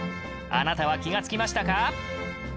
あなたは気が付きましたか？